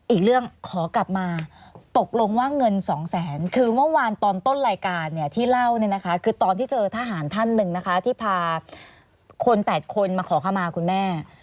อีกเรื่องขอกลับมาตกลงว่าเงิน๒แสนคือเมื่อวานตอนต้นรายการเนี่ยที่เล่าเนี่ยนะคะคือตอนที่เจอทหารท่านหนึ่งนะคะที่พาคน๘คนมาขอขมาคุณแม่